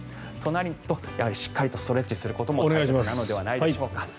となるとしっかりストレッチすることも大事なのではないでしょうか。